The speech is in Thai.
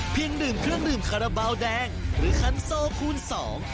ดื่มเครื่องดื่มคาราบาลแดงหรือคันโซคูณสอง